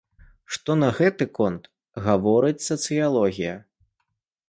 Што на гэты конт гаворыць сацыялогія?